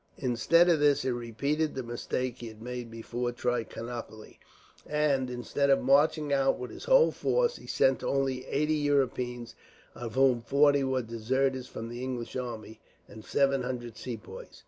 Instead of this, he repeated the mistake he had made before Trichinopoli; and, instead of marching out with his whole force, he sent only eighty Europeans, of whom forty were deserters from the English army, and seven hundred Sepoys.